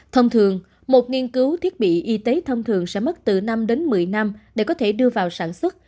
thông thường một nghiên cứu thiết bị y tế thông thường sẽ mất từ năm đến một mươi năm để có thể đưa vào sản xuất